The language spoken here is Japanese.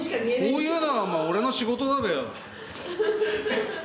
こういうのは俺の仕事だべ。